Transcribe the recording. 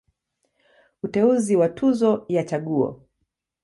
Uteuzi wa Tuzo ya Chaguo.